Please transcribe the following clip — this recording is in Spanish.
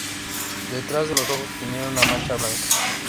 Detrás de los ojos tenía una mancha blanca.